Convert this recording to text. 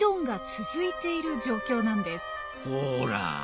ほら。